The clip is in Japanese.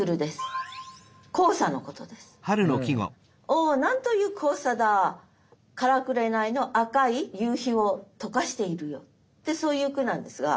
「おお何という黄砂だからくれないの赤い夕日を溶かしているよ」ってそういう句なんですが。